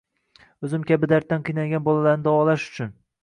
O‘zim kabi darddan qiynalgan bolalarni davolash uchun”